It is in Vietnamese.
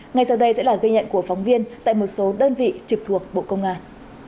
ngay sau đây sẽ là ghi nhận của phóng viên tại một số đơn vị trực thuộc bộ công an